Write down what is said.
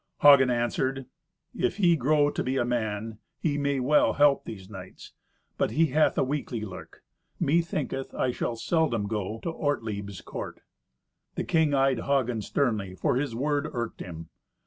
Hagen answered, "If he grow to be a man, he may well help these knights. But he hath a weakly look. Methinketh I shall seldom go to Ortlieb's court." The king eyed Hagen sternly, for his word irked him.